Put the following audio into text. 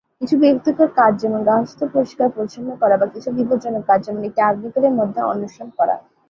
কিছু বিরক্তিকর কাজ যেমন গার্হস্থ্য পরিষ্কার পরিচ্ছন্ন করা, বা কিছু বিপজ্জনক কাজ, যেমন একটি আগ্নেয়গিরির মধ্যে অন্বেষণ করা।